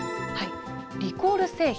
リコール製品。